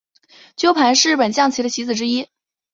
鸠盘是日本将棋的棋子之一。